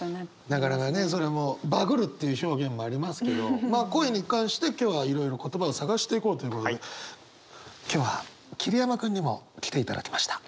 なかなかねそれもバグるっていう表現もありますけどまあ恋に関して今日はいろいろ言葉を探していこうということで今日は桐山君にも来ていただきました。